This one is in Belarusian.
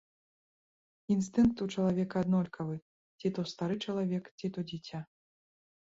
Інстынкт у чалавека аднолькавы, ці то стары чалавек, ці то дзіця.